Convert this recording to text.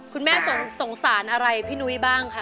คุณแม่สงสารอะไรพี่นุ้ยบ้างคะ